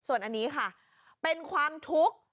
ส่วนอันนี้ค่ะเป็นความทุกข์